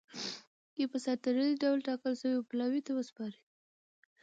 کي په سر تړلي ډول ټاکل سوي پلاوي ته وسپاري.